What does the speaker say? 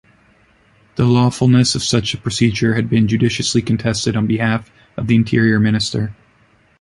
The lawfulness of such a procedure had been judicially contested on behalf of the interior minister.